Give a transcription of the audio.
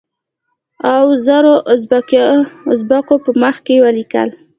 اوو زرو اوزبیکو په مخ کې ولیک.